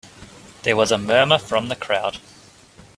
There was a murmur from the crowd.